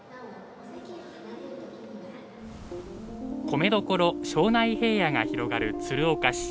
米どころ、庄内平野が広がる鶴岡市。